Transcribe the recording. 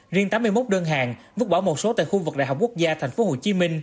riêng tám mươi một đơn hàng vứt bỏ một số tại khu vực đại học quốc gia tp hcm